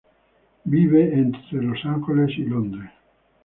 Ella vive entre Los Angeles y Londres.